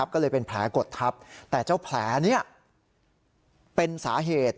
ก็เลยเป็นแผลกดทับแต่เจ้าแผลนี้เป็นสาเหตุ